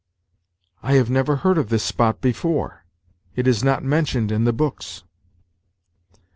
"I have never heard of this spot before; it is not mentioned in the books."